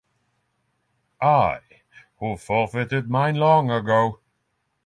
I, who forfeited mine long ago!